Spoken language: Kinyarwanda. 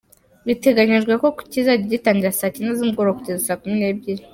Biteganyijwe ko kizajya gitangira saa Cyenda z’umugoroba kugera saa kumi n’ebyiri.